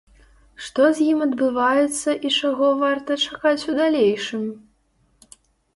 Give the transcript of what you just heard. Што з ім адбываецца і чаго варта чакаць у далейшым?